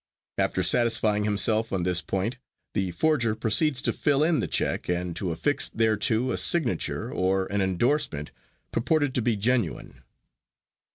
After satisfying himself on this point the forger proceeds to fill in the check and to affix thereto a signature or an endorsement purported to be genuine.